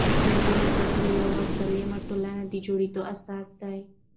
د نجونو زده کړې د یوې سالمې ټولنې د جوړېدو اساس دی.